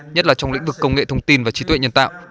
nhất là trong lĩnh vực công nghệ thông tin và trí tuệ nhân tạo